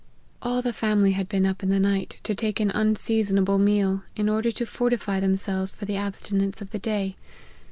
All the family had been up in the night, to take an unseasonable meal, in order to fortify themselves for the abstinence of the day.